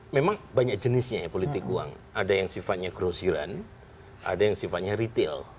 memang banyak jenisnya ya politik uang ada yang sifatnya grosiran ada yang sifatnya retail